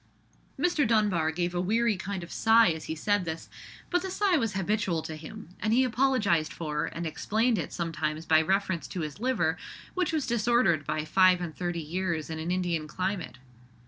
Mr. Dunbar gave a weary kind of sigh as he said this; but the sigh was habitual to him, and he apologized for and explained it sometimes by reference to his liver, which was disordered by five and thirty years in an Indian climate.